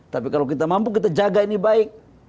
tapi kalau kita mampu kita jaga ini baik